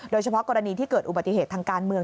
โดยเฉพาะกรณีที่เกิดอุบัติเหตุทางการเมือง